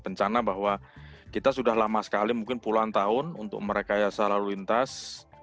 bencana bahwa kita sudah lama sekali mungkin puluhan tahun untuk merekayasa lalu lintas